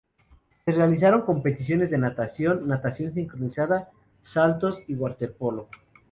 Se realizaron competiciones de natación, natación sincronizada, saltos y waterpolo.